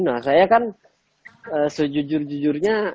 nah saya kan sejujurnya